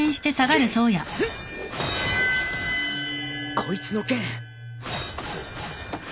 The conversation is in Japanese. こいつの剣